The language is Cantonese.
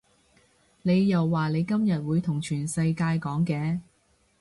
你又話你今日會同全世界講嘅